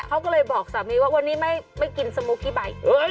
เขาก็เลยบอกสามีว่าวันนี้ไม่กินสมูกกี้ใบ